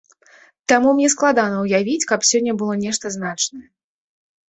Таму мне складана ўявіць, каб сёння было нешта значнае.